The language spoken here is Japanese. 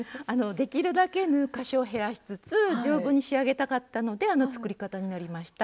できるだけ縫う箇所を減らしつつ丈夫に仕上げたかったのであの作り方になりました。